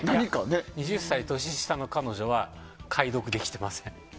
２０歳年下の彼女は解読できてません。